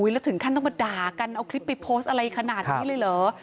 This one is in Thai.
แล้วถึงขั้นต้องมาด่ากันเอาคลิปไปโพสต์อะไรขนาดนี้เลยเหรอ